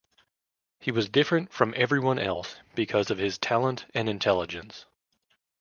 He was different from everyone else because of his talent and intelligence.